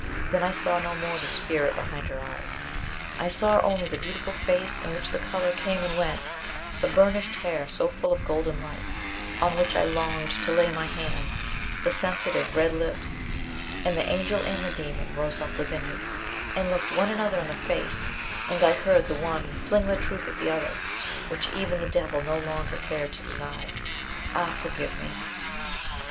Then I saw no more the spirit behind her eyes. I saw only the beautiful face in which the color came and went, the burnished hair so full of golden lights, on which I longed to lay my hand the sensitive red lips and the angel and the demon rose up within me, and looked one another in the face, and I heard the one fling the truth at the other, which even the devil no longer cared to deny Ah, forgive me!